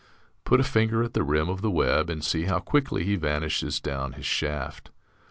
Put a finger at the rim of the web and see how quickly he vanishes down his shaft.